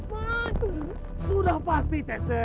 aku kan raja babi